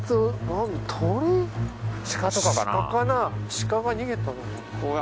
鹿が逃げたのかな。